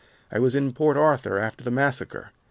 I was in Port Arthur after the massacre.